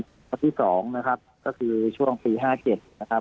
เกี่ยวกับพี่สองนะครับก็คือช่วงปีห้าเจ็ดนะครับ